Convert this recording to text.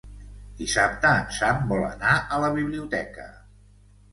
Dissabte en Sam vol anar a la biblioteca.